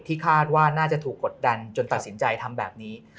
คาดว่าน่าจะถูกกดดันจนตัดสินใจทำแบบนี้